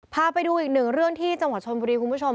พาไปดูอีกหนึ่งเรื่องที่จังหวัดชนบุรีคุณผู้ชม